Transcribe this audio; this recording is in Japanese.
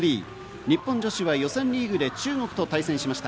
日本女子は予選リーグで中国と対戦しました。